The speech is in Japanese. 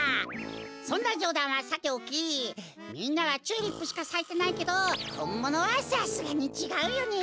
そんなじょうだんはさておきみんなはチューリップしかさいてないけどほんものはさすがにちがうよね。